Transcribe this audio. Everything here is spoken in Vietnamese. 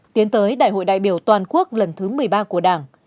tiến tới đại hội đại biểu toàn quốc lần thứ một mươi ba của đảng